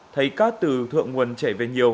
thấy cát từ thượng nguồn chảy về nhiều